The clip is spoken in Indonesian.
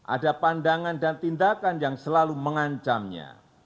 ada pandangan dan tindakan yang selalu mengancamnya